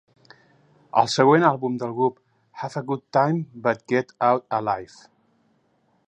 El següent àlbum del grup, "Have a Good Time but Get out Alive!"